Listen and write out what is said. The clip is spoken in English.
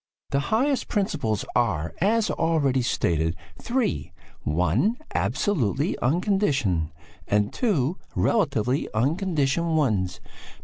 "'The highest principles are, as already stated, three; one, absolutely unconditioned, and two, relatively unconditioned ones.